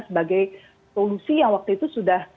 sebagai solusi yang waktu itu sudah